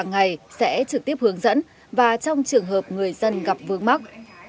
ngày sẽ trực tiếp hướng dẫn và trong trường hợp người dân gặp vương mắc